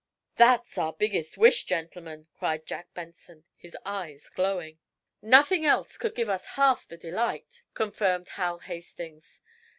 "That's our biggest wish, gentlemen!" cried Jack Benson, his eyes glowing. "Nothing else could give us half the delight," confirmed Hal Hastings.